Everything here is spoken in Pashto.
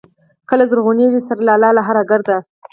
کله زرغونېږي سره لاله له هره ګرده